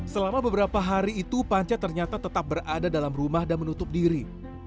selama beberapa hari itu panca ternyata tetap berada dalam rumah dan menutup diri